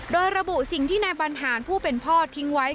โดยระบุสิ่งที่นายบรรหารผู้เป็นพ่อทิ้งไว้